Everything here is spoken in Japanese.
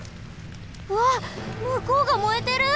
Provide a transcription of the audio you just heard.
うわっむこうがもえてる！